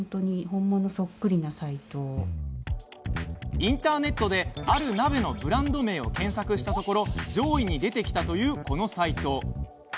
インターネットで、ある鍋のブランド名を検索したところ上位に出てきたというこのサイト。